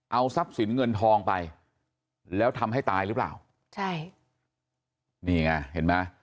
เอาทรัพย์สินเงินทองไปแล้วทำให้ตายหรือเปล่าใช่นี่ไงเห็นไหม